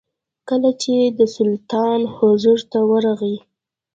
کله چې د سلطان حضور ته ورغی.